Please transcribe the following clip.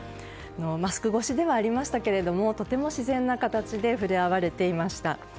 マスク越しではありましたがとても自然な形で触れ合われていました。